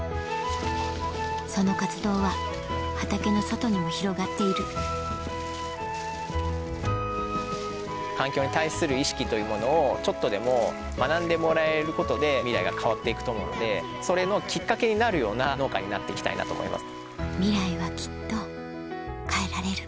その活動は畑の外にも広がっている環境に対する意識というものをちょっとでも学んでもらえることでミライが変わっていくと思うのでそれのきっかけになるような農家になっていきたいなと思います。